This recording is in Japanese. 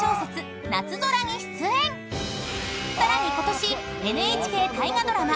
［さらにことしＮＨＫ大河ドラマ